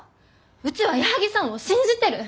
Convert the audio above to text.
うちは矢作さんを信じてる。